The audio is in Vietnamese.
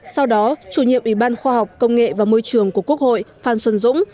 sau đó chủ nhiệm ủy ban khoa học công nghệ và môi trường của quốc hội phan xuân dũng